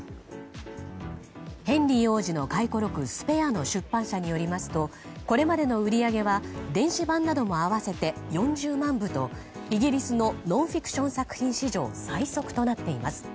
ヘンリー王子の回顧録「スペア」の出版社によりますとこれまでの売り上げは電子版なども併せて４０万部とイギリスのノンフィクション作品史上最速となっています。